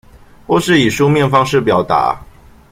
或是以書面方式表達